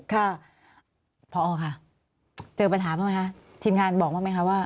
ค่ะพอออกค่ะเจอปัญหาไหมคะทีมงานบอกไหมคะว่า